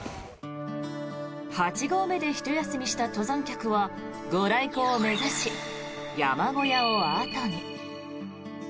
８合目でひと休みした登山客はご来光を目指し、山小屋を後に。